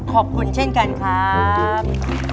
ขอบคุณเช่นกันครับ